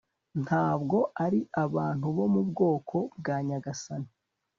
Ntabwo ari abantu bo mu bwoko bwa nyagasani